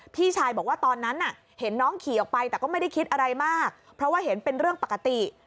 พี่ชายบอกว่าตอนนั้นน่ะเห็นน้องขี่ออกไปแต่ก็ไม่ได้คิดอะไรมากเพราะว่าเห็นเป็นเรื่องปกติ